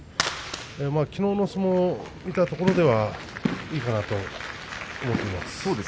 きのうの相撲を見たところではいいかなと思ってます。